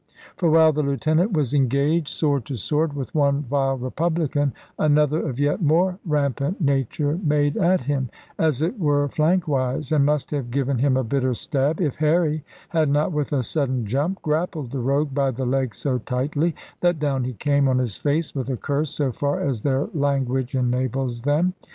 For while the lieutenant was engaged, sword to sword, with one vile republican, another of yet more rampant nature made at him, as it were flankwise, and must have given him a bitter stab, if Harry had not with a sudden jump grappled the rogue by the leg so tightly, that down he came on his face with a curse, so far as their language enables them.